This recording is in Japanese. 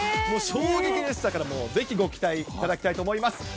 もう衝撃でしたから、ぜひご期待いただきたいと思います。